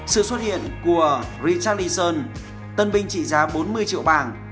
sự xuất hiện của richard leeson tân binh trị giá bốn mươi triệu bảng